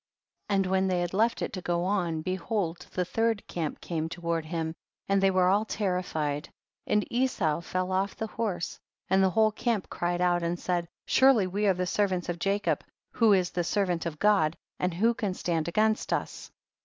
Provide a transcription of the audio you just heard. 35. And when they had left it to go on, behold the third camp came toward him and they were all terri fied, and Esau fell off the horse, and the whole camp cried out, and said, surely we are the servants of Jacob, who is the servant of God, and who can stand against us